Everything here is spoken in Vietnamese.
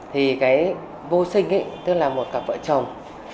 thì cái vô sinh ấy tức là một cặp vợ chồng